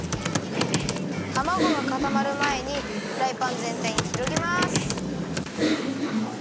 たまごがかたまるまえにフライパンぜんたいにひろげます。